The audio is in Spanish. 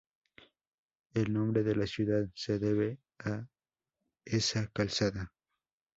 El nombre de la ciudad se debe a esa calzada.